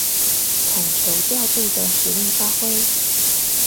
統籌調度的實力發揮